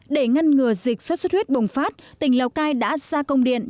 để ngăn ngừa dịch xuất xuất huyết bùng phát tỉnh lào cai đã ra công điện